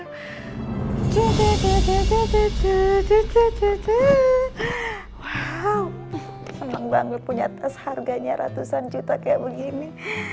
wow senang banget punya tas harganya ratusan juta kayak begini